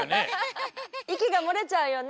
いきがもれちゃうよね。